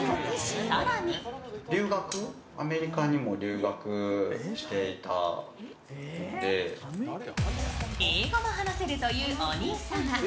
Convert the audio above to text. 更に英語も話せるというお兄様。